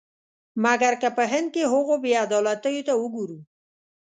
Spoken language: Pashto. مګر که په هند کې هغو بې عدالتیو ته وګورو.